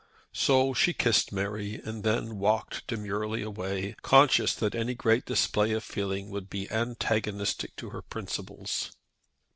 So she kissed Mary, and then walked demurely away, conscious that any great display of feeling would be antagonistic to her principles.